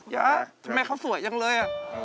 อย่าทำไมเขาสวยอย่างเลย